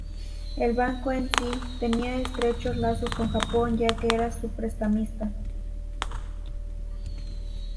El banco en sí tenía estrechos lazos con Japón ya que era su prestamista.